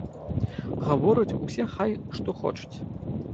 Гавораць усе хай што хочуць.